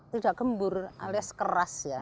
tidak gembur alias keras ya